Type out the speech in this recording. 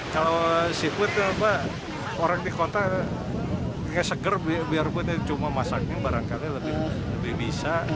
kalau sikut orang di kota segar biarpun cuma masaknya barangkali lebih bisa